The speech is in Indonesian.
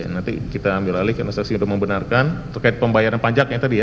nanti kita ambil alih karena saksi sudah membenarkan terkait pembayaran pajaknya tadi ya